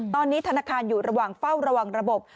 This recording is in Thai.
ตอนนี้ธนาคารอยู่ระหว่างเฝ้าระวังระบบ